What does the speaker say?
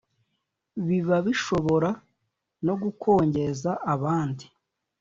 biba bishobora no gukongeza abandi